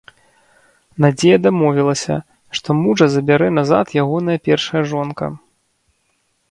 Надзея дамовілася, што мужа забярэ назад ягоная першая жонка.